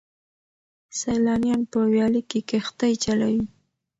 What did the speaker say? سیلانیان په ویاله کې کښتۍ چلوي.